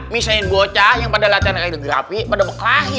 misain bocah yang pada latihan radiografi pada beklahi